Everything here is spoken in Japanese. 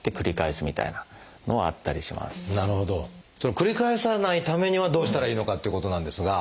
繰り返さないためにはどうしたらいいのかということなんですが。